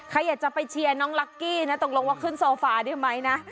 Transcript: ใครอยากจะไปเชียร์น้องลักกี้นะตกลงว่าขึ้นโซฟาได้ไหมนะ